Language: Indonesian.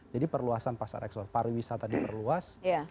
jadi perluasan pasar ekspor pariwisata diperluas